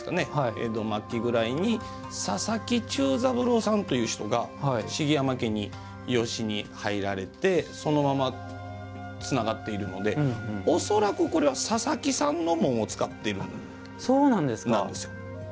江戸末期ぐらいに佐々木忠三郎という人が茂山家に養子に入られてそのまま、つながっているので恐らく、これは佐々木さんの紋を使っているものなんですよ。